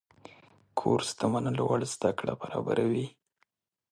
کورس د منلو وړ زده کړه برابروي.